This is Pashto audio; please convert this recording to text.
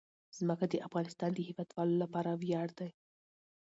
ځمکه د افغانستان د هیوادوالو لپاره ویاړ دی.